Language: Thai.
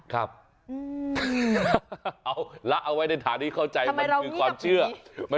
เอาไว้ในฐานที่เข้าใจมันคือความเชื่อทำไมเรามีแบบนี้